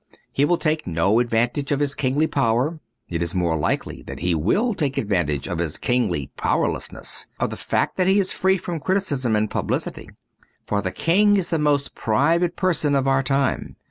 He will take no advantage of his kingly power : it is more likely that he will take advantage of his kingly powerlessness — of the fact that he is free from criticism and publicity. For the King is the most private person of our time.